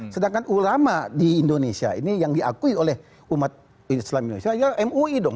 sedangkan ulama di indonesia ini yang diakui oleh umat islam indonesia ya mui dong